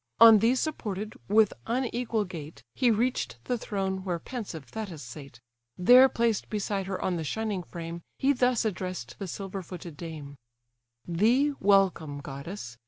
On these supported, with unequal gait, He reach'd the throne where pensive Thetis sate; There placed beside her on the shining frame, He thus address'd the silver footed dame: "Thee, welcome, goddess!